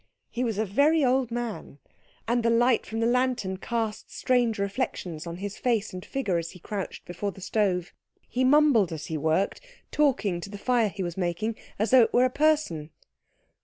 He was a very old man, and the light from the lantern cast strange reflections on his face and figure as he crouched before the stove. He mumbled as he worked, talking to the fire he was making as though it were a person.